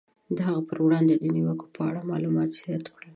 د هغه پر وړاندې د نیوکو په اړه معلومات زیات کړل.